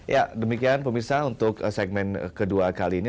ya demikian pemirsa untuk segmen kedua kali ini